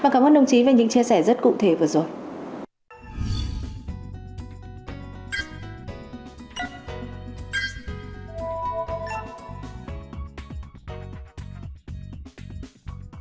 cảm ơn đồng chí cục trưởng đã dành thời gian cho truyền hình công an nhân